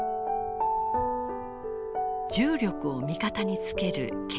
重力を味方につける建築構造。